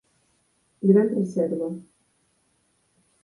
Gran Reserva.